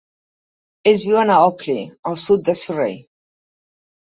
Ells viuen a Ockley, al sud de Surrey.